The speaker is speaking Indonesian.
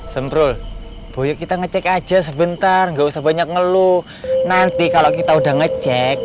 semprol boy kita ngecek aja sebentar enggak usah banyak ngeluh nanti kalau kita udah ngecek